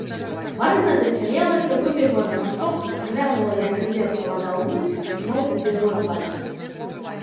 Марына засмяялася, выбегла на масток, глянула, як ірвецца вада ўніз, зноў убегла к бацьку.